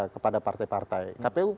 kepada partai partai kpu